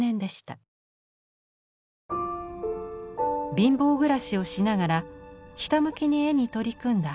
貧乏暮らしをしながらひたむきに絵に取り組んだ靉光。